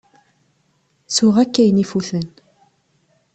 Ttuɣ akk ayen ifuten.